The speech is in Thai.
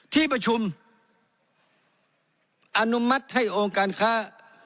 ที่ประชุมอนุมัติให้องค์การค้า